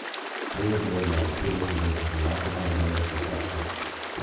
We observe that the predisposition from alcohol to nervous affections (i D.